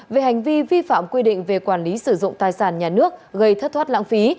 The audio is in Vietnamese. về hành vi vi phạm quy định về quản lý sử dụng tài sản nhà nước gây thất thoát lãng phí